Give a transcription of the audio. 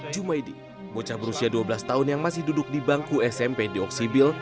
jumaidi bocah berusia dua belas tahun yang masih duduk di bangku smp di oksibil